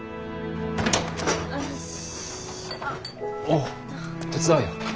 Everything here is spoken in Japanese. おっ手伝うよ。